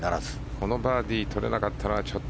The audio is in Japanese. このバーディー取れなかったのはちょっと。